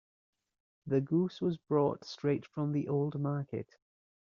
The goose was brought straight from the old market.